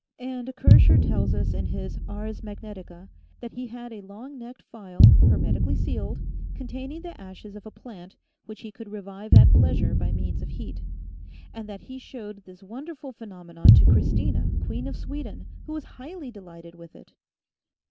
And Kircher tells us in his " Ars Magnetica" that he had a long necked phial, hermetically sealed, containing the ashes of a plant which he could revive at pleasure by means of heat ; and that he showed this wonderful phe 106 PALINGENESY nomenon to Christina, Queen of Sweden, who was highly delighted with it.